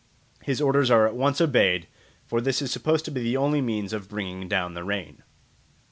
His orders are at once obeyed, for this is supposed to be the only means of bringing down the rain.